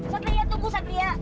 satria tunggu satria